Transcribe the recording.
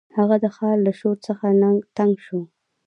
هغه د ښار له شور څخه تنګ شو.